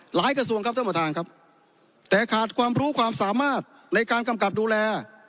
กระทรวงครับท่านประธานครับแต่ขาดความรู้ความสามารถในการกำกับดูแล